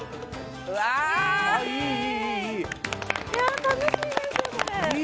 いや楽しいですこれ。